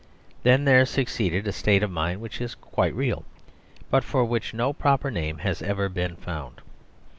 Then there succeeded a state of mind which is quite real, but for which no proper name has ever been found.